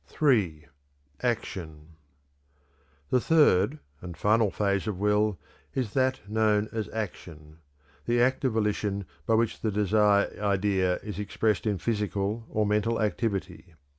(3). ACTION. The third and final phase of will is that known as action the act of volition by which the desire idea is expressed in physical or mental activity.